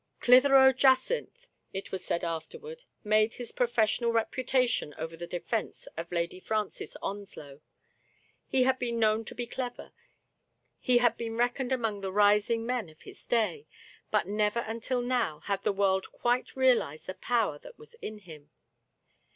Clitheroe Jacynth, it was said afterward, made his professional reputation over the defense of Lady Francis Onslow. He had been known to be clever, he had been reckoned among the ris ing men of his day, but never until now had the world quite realized the power that was in him.